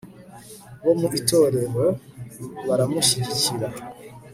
bo mu itorero baramushyigikira